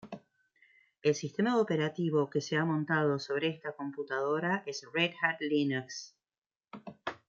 El sistema operativo que se ha montado sobre esta computadora es Red Hat Linux.